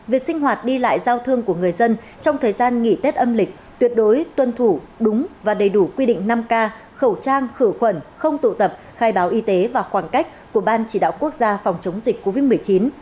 việc sinh hoạt đi lại giao thương của người dân trong thời gian nghỉ tết âm lịch tuyệt đối tuân thủ đúng và đầy đủ quy định năm k khẩu trang khử khuẩn không tụ tập khai báo y tế và khoảng cách của ban chỉ đạo quốc gia phòng chống dịch covid một mươi chín